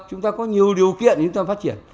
chúng ta có nhiều điều kiện để chúng ta phát triển